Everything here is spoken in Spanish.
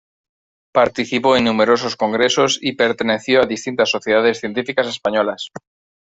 Participó en numerosos congresos y perteneció a distintas sociedades científicas españolas.